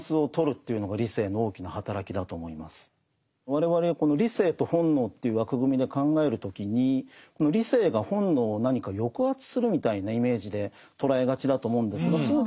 我々この理性と本能という枠組みで考える時に理性が本能を何か抑圧するみたいなイメージで捉えがちだと思うんですがそう